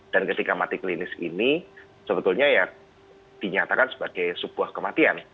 dan ketika mati klinis ini sebetulnya ya dinyatakan sebagai sebuah kematian